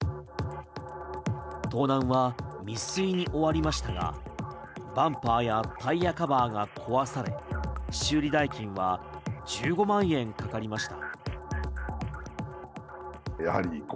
盗難は未遂に終わりましたがバンパーやタイヤカバーが壊され修理代金は１５万円かかりました。